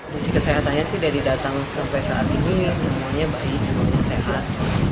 misi kesehatannya sih dari datang sampai saat ini semuanya baik semuanya sehat